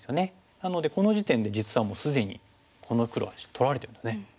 なのでこの時点で実はもう既にこの黒は取られてるんですね。